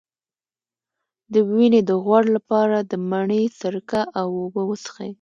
د وینې د غوړ لپاره د مڼې سرکه او اوبه وڅښئ